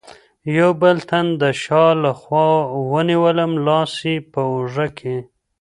یوه بل تن د شا له خوا ونیولم، لاس یې په اوږه کې.